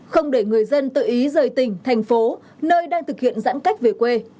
không để người dân tự ý rời tỉnh thành phố nơi đang thực hiện giãn cách về quê